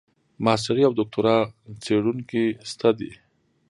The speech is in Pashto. ماسټري او دوکتورا څېړونکي شته دي.